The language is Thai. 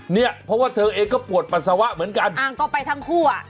เนี่ยเพราะว่าเธอเองก็ปวดปัสสาวะเหมือนกันอ้างก็ไปทั้งคู่อ่ะ